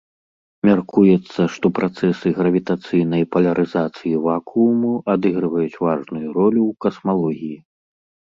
Мяркуецца, што працэсы гравітацыйнай палярызацыі вакууму адыгрываюць важную ролю ў касмалогіі.